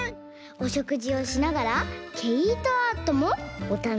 おしょくじをしながらけいとアートもおたのしみできます。